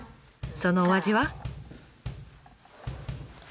そのお味は？